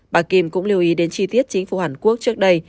bà kim cũng lưu ý đến chi tiết chính phủ hàn quốc trước đây